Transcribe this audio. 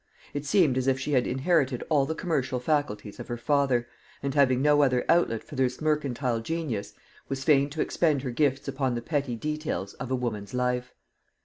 It seemed as if she had inherited all the commercial faculties of her father, and having no other outlet for this mercantile genius, was fain to expend her gifts upon the petty details of a woman's life.